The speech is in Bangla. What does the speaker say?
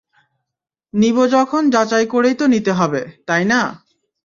নিবো যখন যাচাই করেই তো নিতে হবে, তাই না?